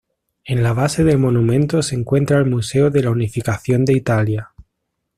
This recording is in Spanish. En la base del monumento se encuentra el museo de la unificación de Italia.